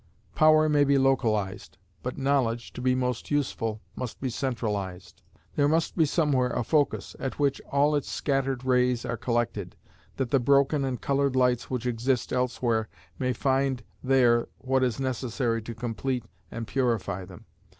Power may be localized, but knowledge, to be most useful, must be centralized; there must be somewhere a focus at which all its scattered rays are collected, that the broken and colored lights which exist elsewhere may find there what is necessary to complete and purify them.